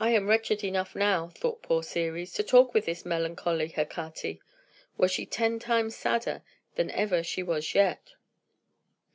"I am wretched enough now," thought poor Ceres, "to talk with this melancholy Hecate, were she ten times sadder than ever she was yet."